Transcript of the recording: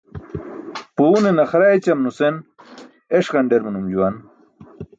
Puune naxara ećam nusen eṣ ġanḍer manum juwan.